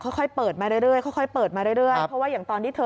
ค่อยเปิดมาเรื่อยเพราะว่าอย่างตอนที่เธอ